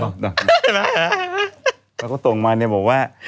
เห็นไหมแล้วก็ตรงมาเนี่ยบอกว่า